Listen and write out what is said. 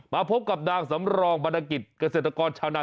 มาพบกับนางสำรองบรรณกิจเกษตรกรชาวนา